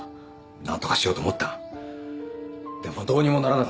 なんとかしようと思ったがでもどうにもならなかった。